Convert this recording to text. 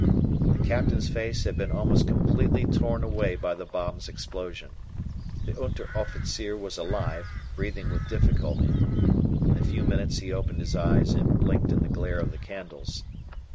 The Captain's face had been almost completely torn away by the bomb's explosion. The Unteroffizier was alive, breathing with difficulty. In a few minutes he opened his eyes and blinked in the glare of the candles.